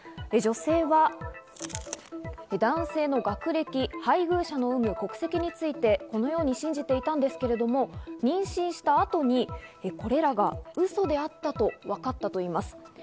女性は男性の学歴、配偶者の有無、国籍についてこのように信じていたんですけれども、妊娠した後にこれらがウソであったとわかったといいます。